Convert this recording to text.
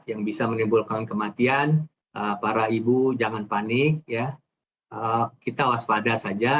yang bisa menimbulkan kematian para ibu jangan panik kita waspada saja